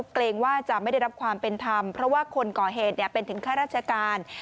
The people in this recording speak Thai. เกรงว่าจะไม่ได้รับความเป็นธรรมเพราะว่าคนก่อเหตุเป็นถึงข้าราชการ